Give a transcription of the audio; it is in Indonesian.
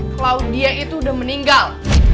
claudia itu udah meninggal